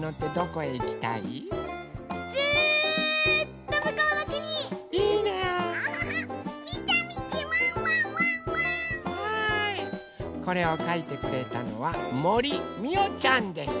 これをかいてくれたのはもりみおちゃんです。